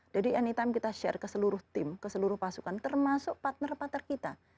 jadi anytime kita share ke seluruh tim ke seluruh pasukan termasuk partner partner kita